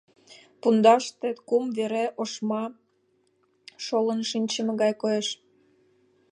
Пундаште кум вере ошма шолын шинчыме гай коеш.